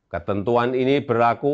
ketentuan ini berlaku